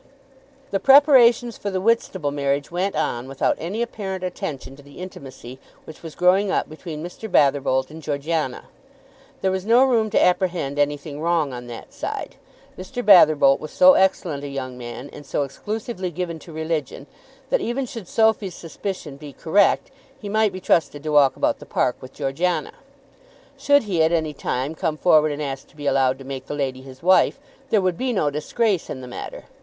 The preparations for the Whitstable marriage went on without any apparent attention to the intimacy which was growing up between Mr. Batherbolt and Georgiana. There was no room to apprehend anything wrong on that side. Mr. Batherbolt was so excellent a young man, and so exclusively given to religion, that, even should Sophy's suspicion be correct, he might be trusted to walk about the park with Georgiana. Should he at any time come forward and ask to be allowed to make the lady his wife, there would be no disgrace in the matter.